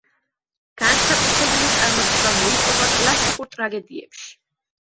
განსაკუთრებული წარმატება მოიპოვა კლასიკურ ტრაგედიებში.